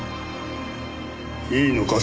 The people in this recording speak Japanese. いいのか？